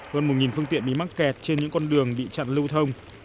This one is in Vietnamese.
hơn một phương tiện bị mắc kẹt trên những con đường bị chặn lưu thông